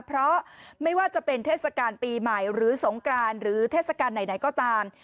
เพราะไม่ว่าจะเป็นเทศกาลปีใหม่หรือสงกรานหรือเทศกาลไหนก็ตาม